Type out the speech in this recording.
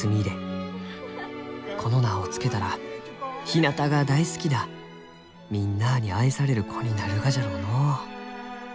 この名を付けたらひなたが大好きなみんなあに愛される子になるがじゃろうのう」。